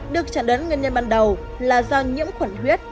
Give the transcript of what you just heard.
được chẳng đớn nguyên nhân ban đầu là do nhiễm khuẩn huyết